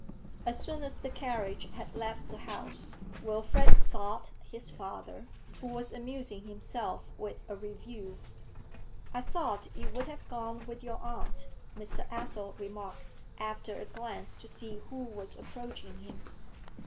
As soon as the carriage had left the house, Wilfrid sought his father, who was amusing himself with a review. 'I thought you would have gone with your aunt,' Mr. Athel remarked, after a glance to see who was approaching him.